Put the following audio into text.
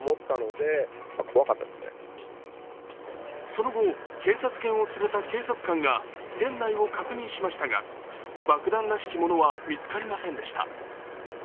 その後、警察犬を連れた警察官が店内を確認しましたが爆弾らしきものは見つかりませんでした。